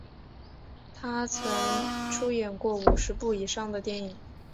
他曾出演过五十部以上的电影。